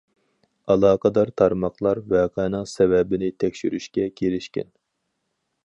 ئالاقىدار تارماقلار ۋەقەنىڭ سەۋەبىنى تەكشۈرۈشكە كىرىشكەن.